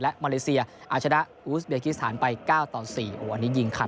และมอเลเซียอาชนะอูสเบคิสฐานไปเก้าต่อสี่โหอันนี้ยิงขาด